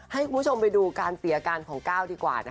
ให้คุณผู้ชมไปดูการเสียอาการของก้าวดีกว่า